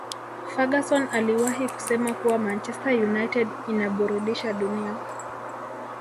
ferguson aliwahi kusema kuwa manchester united inaburudisha dunia